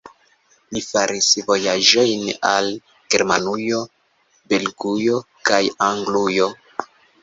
Li faris vojaĝojn al Germanujo, Belgujo kaj Anglujo.